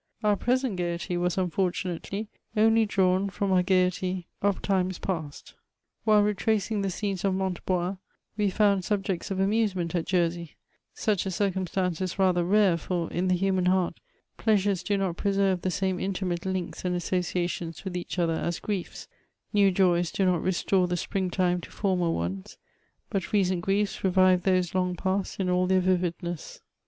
Our present gaiety was, unfortunately, only drawn from our gaiety of limes CHATEAUBRIAND. 369 past. While retracing the scenes of Montchoix, we found subjects of amusement at Jersey ; such a circumstance is rather rare, for, in the hnman heart, pleasures do not preserve the same intimate links and associations with each other as griefs ; new joys do not restore the spring time to former ones, but recent griefs revive those long past in all their vividness.